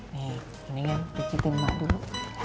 nih ini kan kecitin mak dulu